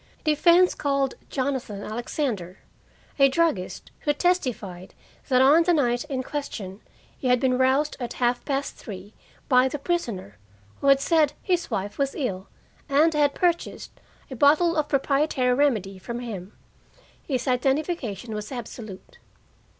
Defense called Jonathan Alexander, a druggist who testified that on the night in question he had been roused at half past three by the prisoner, who had said his wife was ill, and had purchased a bottle of a proprietary remedy from him. His identification was absolute.